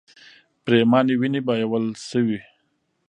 پرېمانې وینې بهول شوې.